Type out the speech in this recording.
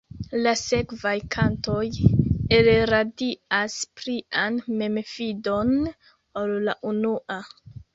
La sekvaj kantoj elradias plian memfidon, ol la unua.